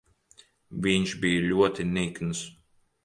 Viņš bija ļoti nikns.